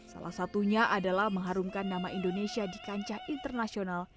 salah satunya adalah mengharumkan nama indonesia di kancah internasional